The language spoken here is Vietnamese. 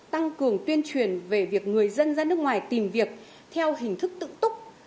tăng cường tuyên truyền về việc người dân ra nước ngoài tìm việc theo hình thức tự túc